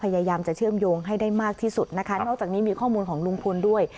พยายามจะเชื่อมโยงให้ได้มากที่สุดนะคะนอกจากนี้มีข้อมูลของลุงพลด้วย